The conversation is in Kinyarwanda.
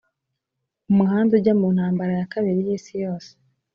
umuhanda ujya mu ntambara ya kabiri y'isi yose: